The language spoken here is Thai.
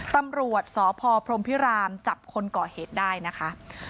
ตำรวจสพพรมพิรามจับคนก่อเหตุได้นะคะ